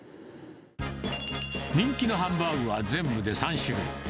人気のハンバーグは全部で３種類。